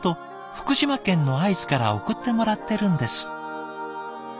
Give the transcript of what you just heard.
福島県の会津から送ってもらってるんです」。